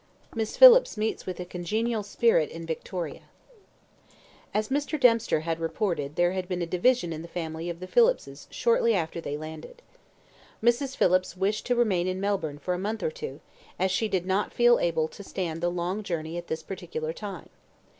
Miss Phillips Meets With A Congenial Spirit In Victoria As Mr Dempster had reported there had been a division in the family of the Phillipses shortly after they landed. Mrs. Phillips wished to remain in Melbourne for a month or two, as she did not feel able to stand the long land journey at this particular time.